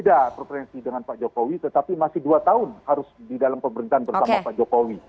tidak preferensi dengan pak jokowi tetapi masih dua tahun harus di dalam pemerintahan bersama pak jokowi